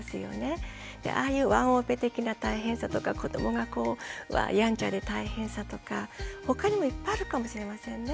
でああいうワンオペ的な大変さとか子どもがこうやんちゃで大変さとか他にもいっぱいあるかもしれませんね。